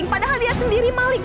padahal dia sendiri maling